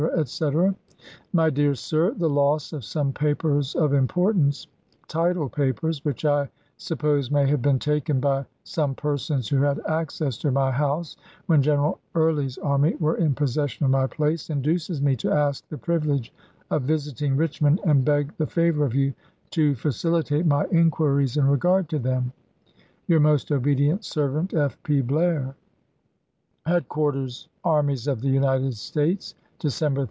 etc. My dear Sir : The loss of some papers of importance (title papers), which I suppose may have been taken by some persons who had access to my house when General Early's army were in possession of my place, induces me to ask the privilege of visiting Richmond and beg the favor of you to facilitate my inquiries in regard to them. Mg Your most obedient servant, F. P. Blair. BLAIR'S MEXICAN PROJECT 95 Headquarters Armies of the United States, chap. v.